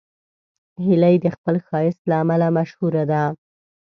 هیلۍ د خپل ښایست له امله مشهوره ده